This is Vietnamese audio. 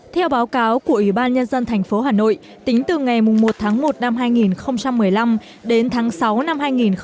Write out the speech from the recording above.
theo báo cáo của ủy ban nhân dân tp hà nội tính từ ngày một tháng một năm hai nghìn một mươi năm đến tháng sáu năm hai nghìn một mươi chín